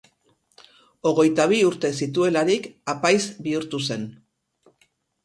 Hogeita bi urte zituelarik apaiz bihurtu zen.